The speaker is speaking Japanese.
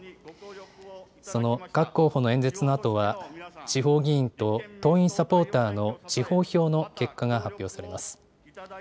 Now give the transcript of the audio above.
その各候補の演説のあとは、地方議員と党員・サポーターの地方票の結果が発表されます。